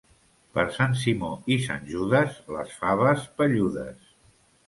Per Sant Simó i Sant Judes, les faves pelludes.